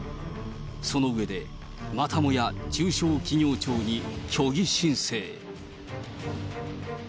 その上で、またもや中小企業庁に虚偽申請。